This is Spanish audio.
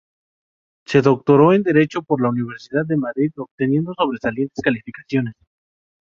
Se doctoró en Derecho por la Universidad de Madrid, obteniendo sobresalientes calificaciones.